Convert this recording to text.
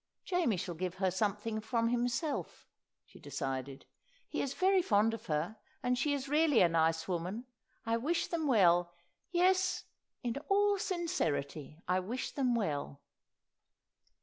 "Jamie shall give her something from himself," she decided. "He is very fond of her, and she is really a nice woman. I wish them well yes, in all sincerity I wish them well."